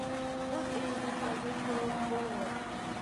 Үҙ өйөгөҙҙәге кеүек булығыҙ